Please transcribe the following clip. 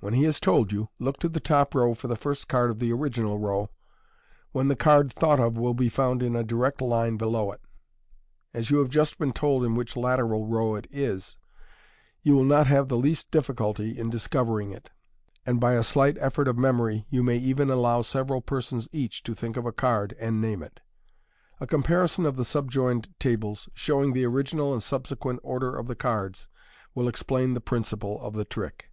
When he has told you, look to the top row for the first card of the original row, when the card thought of will be found in a direct line below it As you have just been told in which 56 MODERN MAGIC. lateral row it is, you will not have the least difficulty in discovering it, and by a slight effort of memory you may even allow several persons each to think of a card, and name it. A comparison of the subjoined tables, showing the original and subsequent order of thf cards, will explain the principle of the trick.